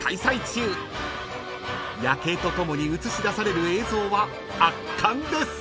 ［夜景と共に映し出される映像は圧巻です］